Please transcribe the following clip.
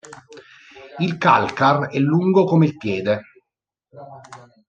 Il calcar è lungo come il piede.